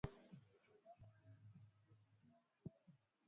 kata tu ya vingunguti inashindwa kutangazwa